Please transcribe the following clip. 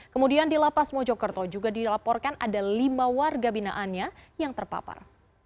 kemudian di lapas mojokerto juga dilaporkan ada lima warga binaannya yang terpapar